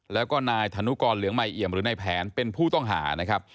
แล้วก็นายธนุกรเหลืองใหม่เอี่ยมหรือนายแผนเป็นผู้ต้องหานะครับ